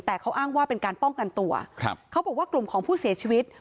แต่เขาอ้างว่าเป็นการป้องกันตัวครับเขาบอกว่ากลุ่มของผู้เสียชีวิต